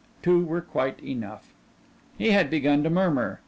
Two were quite enough. He had begun to murmur.